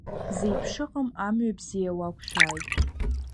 Зеиԥшыҟам, амҩа бзиа уақәшәааит!